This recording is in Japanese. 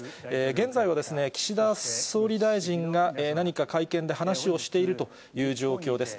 現在は岸田総理大臣が何か会見で話をしているという状況です。